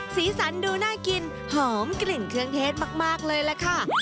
สีสันดูน่ากินหอมกลิ่นเครื่องเทศมากเลยล่ะค่ะ